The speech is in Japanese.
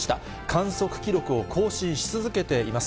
観測記録を更新し続けています。